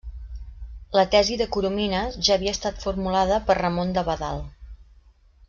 La tesi de Coromines ja havia estat formulada per Ramon d'Abadal.